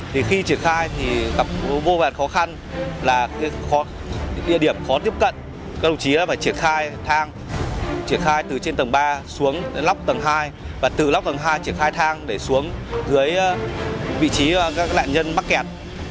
khi triển khai thì gặp vô vẹn khó khăn là địa điểm khó tiếp cận các đồng chí phải triển khai thang triển khai từ trên tầng ba xuống lóc tầng hai và từ lóc tầng hai triển khai thang để xuống dưới vị trí các lãnh nhân bắt kẹt